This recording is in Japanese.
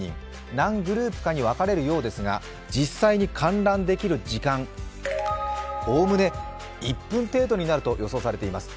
何グループかに分かれるようですが、実際に観覧できる時間はおおむね１分程度になると予想されています。